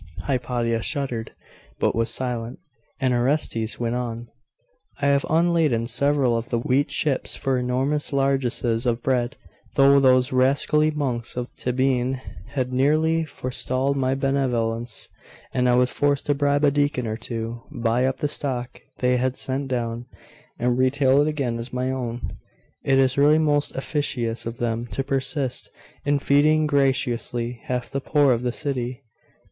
Hypatia shuddered, but was silent; and Orestes went on 'I have unladen several of the wheat ships for enormous largesses of bread: though those rascally monks of Tabenne had nearly forestalled my benevolence, and I was forced to bribe a deacon or two, buy up the stock they had sent down, and retail it again as my own. It is really most officious of them to persist in feeding gratuitously half the poor of the city!